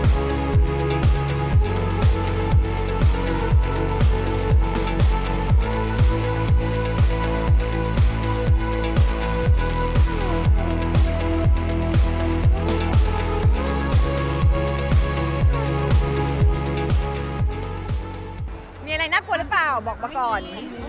มีอะไรน่ากลัวหรือเปล่าบอกมาก่อน